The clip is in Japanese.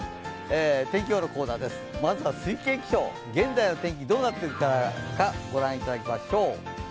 天気予報のコーナーです、まずは推計気象、現在の天気、どうなっているかご覧いただきましょう。